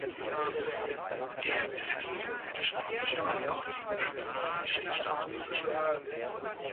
Er besitzt sowohl die spanische als auch die guineische Staatsbürgerschaft.